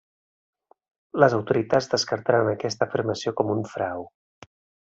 Les autoritats descartaren aquesta afirmació com un frau.